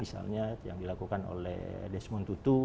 misalnya yang dilakukan oleh desmond tutu